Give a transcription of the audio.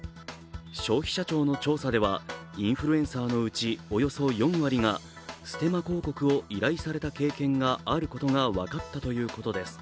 消費者庁の調査ではインフルエンサーのうちおよそ４割がステマ広告を依頼された経験があることが分かったということです。